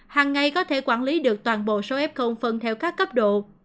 hàng ngày có thể quản lý được toàn bộ số f phân theo các cấp độ